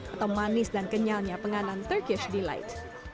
atau manis dan kenyalnya penganan turkish delight